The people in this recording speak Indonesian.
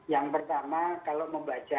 yang pertama kalau membaca